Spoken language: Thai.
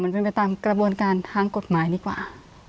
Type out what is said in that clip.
ไปตามกระบวนการทางกฎหมายดีกว่า